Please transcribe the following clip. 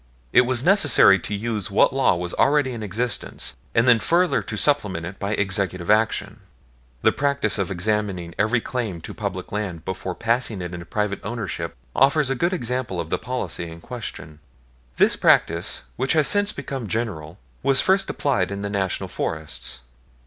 It was necessary to use what law was already in existence, and then further to supplement it by Executive action. The practice of examining every claim to public land before passing it into private ownership offers a good example of the policy in question. This practice, which has since become general, was first applied in the National Forests.